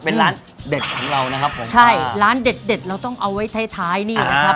เป็นร้านเด็ดของเรานะครับผมใช่ร้านเด็ดเด็ดเราต้องเอาไว้ท้ายท้ายนี่นะครับ